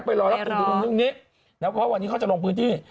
เพราะว่าวันนี้เค้าจะลงพื้นที่